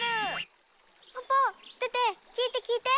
ポポテテ聞いて聞いて。